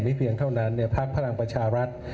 ไม่เพียงเท่านั้นเนี่ยพักพลังประชารัฐ